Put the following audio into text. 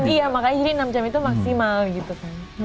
iya makanya enam jam itu maksimal gitu